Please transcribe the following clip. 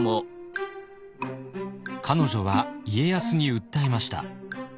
彼女は家康に訴えました。